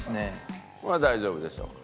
これは大丈夫でしょうか？